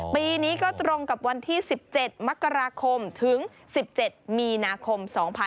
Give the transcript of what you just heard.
ปีนี้ก็ตรงกับวันที่๑๗มกราคมถึง๑๗มีนาคม๒๕๖๒